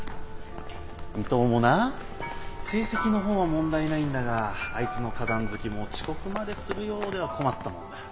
伊藤もな成績の方は問題ないんだがあいつの花壇好きも遅刻までするようでは困ったもんだ。